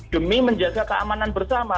demi menjaga keamanan bersama